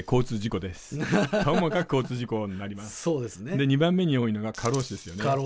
で２番目に多いのが過労死ですよね。